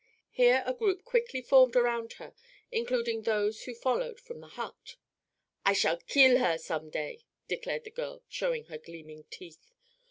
Here a group quickly formed around her, including those who followed from the hut. "I shall kill her, some day," declared the girl, showing her gleaming teeth.